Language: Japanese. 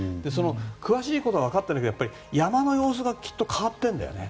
詳しいことは分かってないけど山の様子が変わっているんだよね。